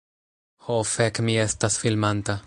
Ho, fek' mi estas filmanta...